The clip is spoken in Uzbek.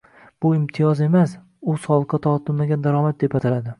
Bu imtiyoz emas, u soliqqa tortilmaydigan daromad deb ataladi